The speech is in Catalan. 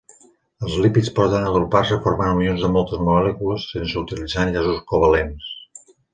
Els lípids poden agrupar-se formant unions de moltes molècules sense utilitzar enllaços covalents.